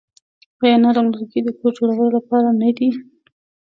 آیا نرم لرګي د کور جوړولو لپاره نه دي؟